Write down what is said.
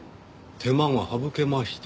手間が省けました。